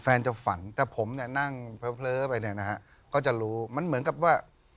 แฟนจะฝันแต่ผมเนี่ยนั่งเผลอไปเนี่ยนะฮะก็จะรู้มันเหมือนกับว่า